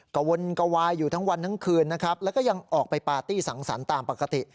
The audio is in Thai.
กระวนกระวายอยู่ทั้งวันทั้งคืนนะครับแล้วก็ยังออกไปปาร์ตี้สังสรรค์ตามปกติ